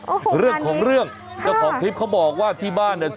โอ้โหข้อความพิษเขาบอกว่าที่บ้านเนี่ย